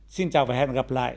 xin chào và hẹn gặp lại